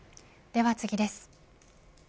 では次です。